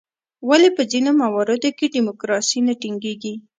ولې په ځینو مواردو کې ډیموکراسي نه ټینګیږي؟